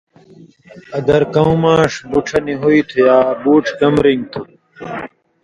اگر کؤں ماݜ بُڇھہ نی ہُوئ تُھو یا بُوڇھ کم رِن٘گیۡ تُھو